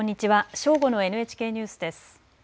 正午のＮＨＫニュースです。